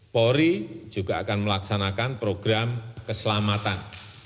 polri juga akan melaksanakan program keselamatan